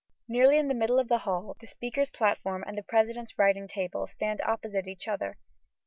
Nearly in the middle of the hall, the speaker's platform and the president's writing table stand opposite each other.